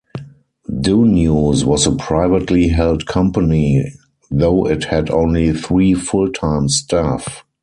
DoNews was a privately held company, though it had only three full-time staff.